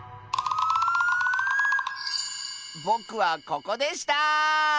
ぼくはここでした！